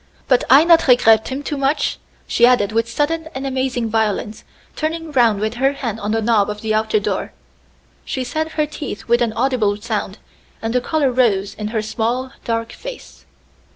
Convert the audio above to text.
But I not regret him too much," she added with sudden and amazing violence, turning round with her hand on the knob of the outer door. She set her teeth with an audible sound, and the color rose in her small, dark face.